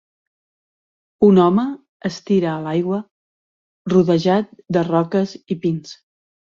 Un home es tira a l'aigua rodejat de roques i pins.